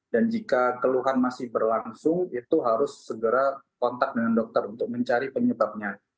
dan jika keluhan masih berlangsung itu harus segera kontak dengan dokter untuk mencari penyebabnya